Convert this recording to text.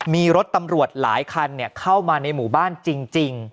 มีรถตำรวจหลายคันเข้ามาในหมู่บ้านจริง